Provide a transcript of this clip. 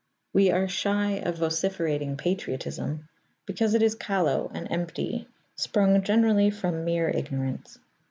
We are shy of vociferating patriotism because it is callow and empty, sprung generally from mere ignorance.